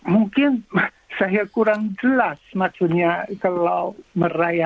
mungkin saya kurang jelas maksudnya kalau merayakan